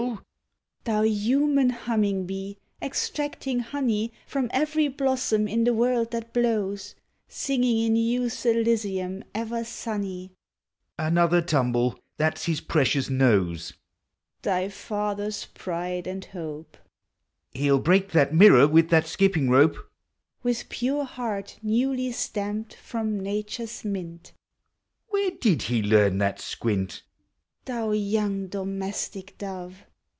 Digitized by Google 30 POEMS OF HOME. Thou human humming bee, extracting honey From every blossom in the world that blows, Singing in youth's Elysium ever sunny,— (Another tumble! That 's his precious nose!) Thy father's pride and hope ! (lie '11 break that mirror with that skipping rope !) With pure heart newly stamped from nature's mint, (Where did he learn that squint?) Thou young domestic dove!